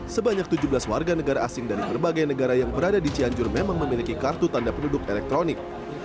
sebanyak tujuh belas warga negara asing dari berbagai negara yang berada di cianjur memang memiliki kartu tanda penduduk elektronik